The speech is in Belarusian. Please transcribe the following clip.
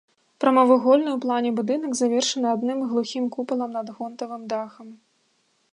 Прамавугольны ў плане будынак, завершаны адным глухім купалам над гонтавым дахам.